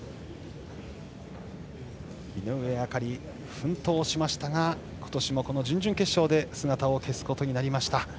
井上あかり、奮闘しましたが今年も準々決勝で姿を消すことになりました。